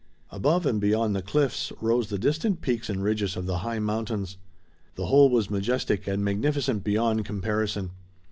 Above and beyond the cliffs rose the distant peaks and ridges of the high mountains. The whole was majestic and magnificent beyond comparison.